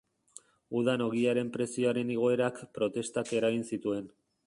Udan ogiaren prezioaren igoerak protestak eragin zituen.